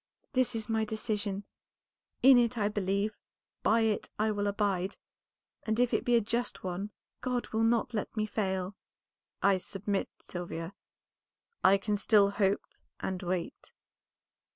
This is my decision; in it I believe, by it I will abide, and if it be a just one God will not let me fail." "I submit, Sylvia; I can still hope and wait."